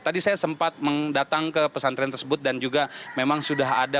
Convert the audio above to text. tadi saya sempat mendatang ke pesantren tersebut dan juga memang sudah ada